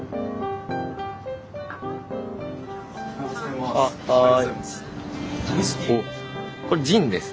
おはようございます。